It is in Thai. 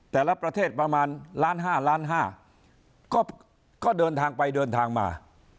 แต่ละประเทศประมาณล้านห้าล้านห้าก็เดินทางไปเดินทางมา